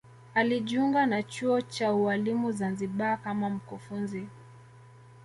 alijiunga na chuo cha ualimu zanzibar kama mkufunzi